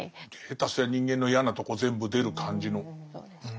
下手すりゃ人間の嫌なとこ全部出る感じの。